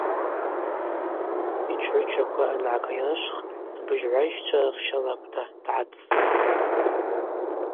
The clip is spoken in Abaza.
Йчгӏвычаква ангӏакӏайрышвх – абыжьгӏвайщчва рахща лакӏвта дгӏацӏцӏтӏ.